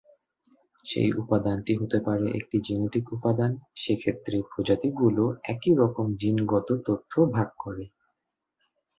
সেই উপাদানটি হতে পারে একটি জেনেটিক উপাদান, সেক্ষেত্রে প্রজাতিগুলো একই রকম জিনগত তথ্য ভাগ করে।